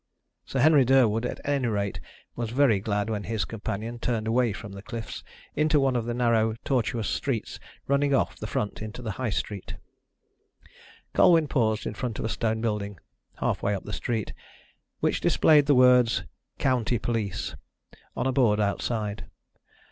Sir Henry Durwood, at any rate, was very glad when his companion turned away from the cliffs into one of the narrow tortuous streets running off the front into High Street. Colwyn paused in front of a stone building, half way up the street, which displayed the words, "County Police," on a board outside.